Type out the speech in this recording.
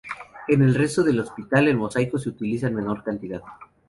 En el resto del hospital el mosaico se utiliza en menor cantidad.